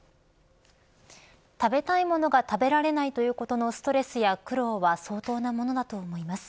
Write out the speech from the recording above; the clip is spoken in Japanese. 食べたいものが食べられないということのストレスや苦労は相当なものだと思います。